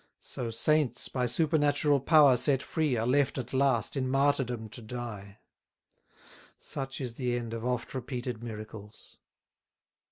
So saints, by supernatural power set free, Are left at last in martyrdom to die; Such is the end of oft repeated miracles.